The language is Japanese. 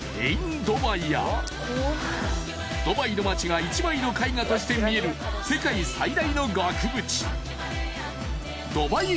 ［ドバイの街が１枚の絵画として見える世界最大の額縁］